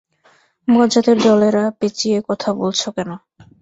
বজ্জাতের দলেরা পেচিয়ে কথা বলছো কেন?